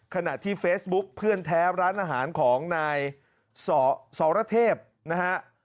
ขณะที่เฟซบุ๊กเพื่อนแท้ร้านอาหารของนายสรเทพนะฮะ